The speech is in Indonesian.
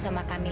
saya pun prise